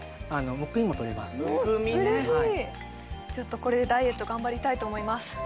むくみね嬉しいこれでダイエット頑張りたいと思います